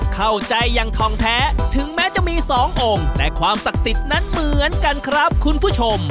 เข้าใจยังทองแท้ถึงแม้จะมีสององค์แต่ความศักดิ์สิทธิ์นั้นเหมือนกันครับคุณผู้ชม